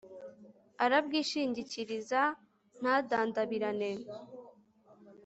arabwishingikiriza, ntadandabirane